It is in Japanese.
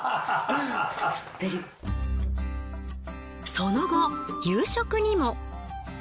その後夕食にも。